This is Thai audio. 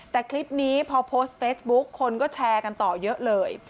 แต่คลิปนี้พอโพสต์เฟซบุ๊คคนก็แชร์กันต่อเยอะเลย